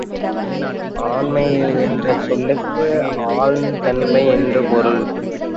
ஆண்மை என்ற சொல்லுக்கு ஆளுந் தன்மை என்பது பொருள்.